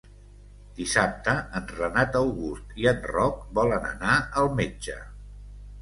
Dissabte en Renat August i en Roc volen anar al metge.